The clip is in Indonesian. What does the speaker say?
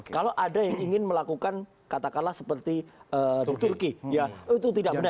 kalau ada yang ingin melakukan kata kata seperti di turki itu tidak benar